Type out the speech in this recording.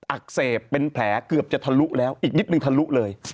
อักเสบเป็นแผลเกือบจะทะลุแล้วอีกนิดนึงทะลุเลย